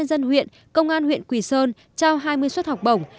dân huyện công an huyện quỳ sơn trao hai mươi suất học bổng